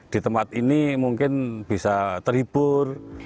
di tempat ini mungkin bisa terhibur